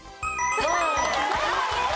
正解です。